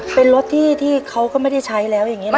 เป็นรถที่เขาก็ไม่ได้ใช้แล้วอย่างนี้นะ